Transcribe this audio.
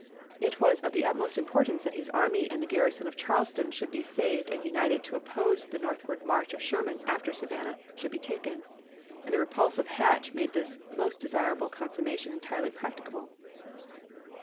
It was of the utmost importance that his army and the garrison of Charleston should be saved and united to oppose the northward march of Sherman after Savannah should be taken, and the repulse of Hatch made this most desirable con summation entirely practicable.